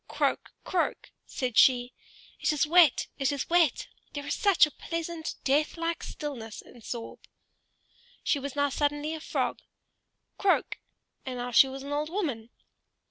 "Croak! croak!" said she. "It is wet, it is wet; there is such a pleasant deathlike stillness in Sorbe!" She was now suddenly a frog, "Croak"; and now she was an old woman.